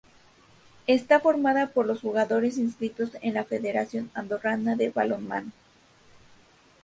Esta formada por los jugadores inscritos en la Federación Andorrana de Balonmano.